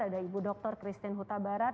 ada ibu dr christine huta barat